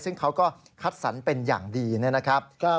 ซึ่งเขาก็คัดสรรเป็นอย่างดีนะครับ